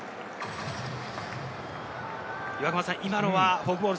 今のはフォークボール。